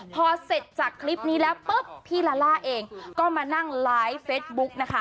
พอเสร็จจากคลิปนี้แล้วปุ๊บพี่ลาล่าเองก็มานั่งไลฟ์เฟสบุ๊กนะคะ